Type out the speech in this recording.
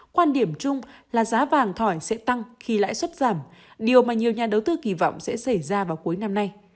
quan điểm chung là giá vàng thỏi sẽ tăng khi lãi suất giảm điều mà nhiều nhà đầu tư kỳ vọng sẽ xảy ra vào cuối năm nay